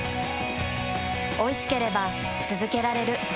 おいしければつづけられる。